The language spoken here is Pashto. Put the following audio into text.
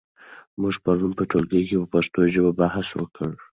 موږ پرون په ټولګي کې په پښتو ژبه بحث وکړ.